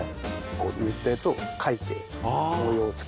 こう塗ったやつをかいて模様をつけて。